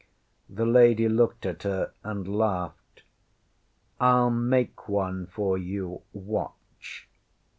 The lady looked at her and laughed. ŌĆśIŌĆÖll make one for you. Watch!